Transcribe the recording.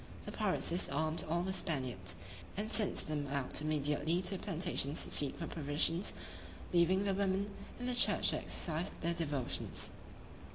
The pirates disarmed all the Spaniards, and sent them out immediately to the plantations to seek for provisions, leaving the women in the church to exercise their devotions.